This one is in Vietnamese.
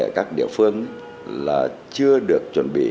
ở các địa phương là chưa được chuẩn bị